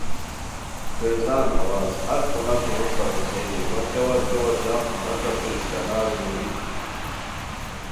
خیزان ہواز ہر پھوناکو ہوستہ ہوسئینی وا کیاوت کیاوت جم پھوناکانتے استاناری زوری